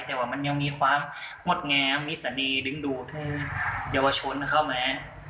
แต่ว่ามันยังมีความงดงามมิสดีดึงดูดเยาวชนเข้ามา